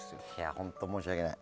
本当に申し訳ない。